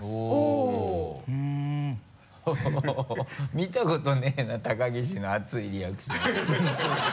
見たことないな高岸の熱いリアクション。